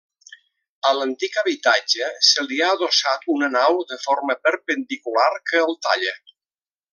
A l'antic habitatge se li ha adossat una nau de forma perpendicular que el talla.